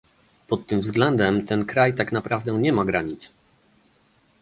Pod tym względem ten kraj tak naprawdę nie ma granic